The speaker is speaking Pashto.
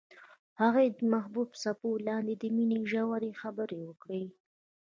هغوی د محبوب څپو لاندې د مینې ژورې خبرې وکړې.